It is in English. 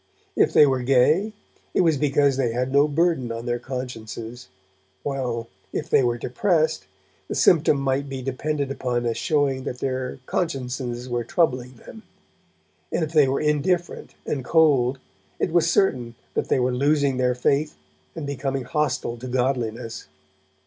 If they were gay, it was because they had no burden on their consciences, while, if they were depressed, the symptom might be depended upon as showing that their consciences were troubling them, and if they were indifferent and cold, it was certain that they were losing their faith and becoming hostile to godliness.